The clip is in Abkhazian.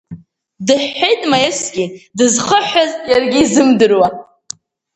Дыҳәҳәеит Маевски дызхыҳәҳәаз иаргьы изымдыруа.